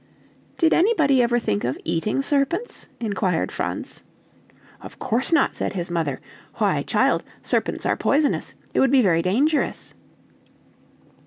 "Did anybody ever think of eating serpents?" inquired Franz. "Of course not!" said his mother. "Why, child, serpents are poisonous it would be very dangerous."